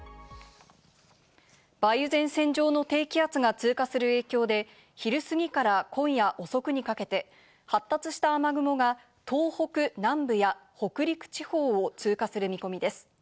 梅雨前線上の低気圧が通過する影響で、昼すぎから今夜遅くにかけて発達した雨雲が東北南部や北陸地方を通過する見込みです。